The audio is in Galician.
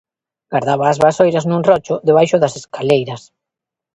Gardaba as vasoiras nun rocho debaixo das escaleiras.